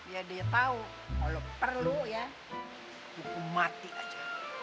ya dia tau kalo perlu ya hukum mati aja